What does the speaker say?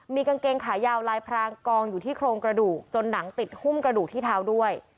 มีกางเกงขายาวลายพรางกองอยู่ที่โครงกระดูกจนหนังติดหุ้มกระดูกที่เท้าด้วย